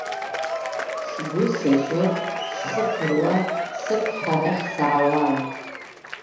Сгәы сажьо, схы ԥыруа, сықәҳа арахь саауан.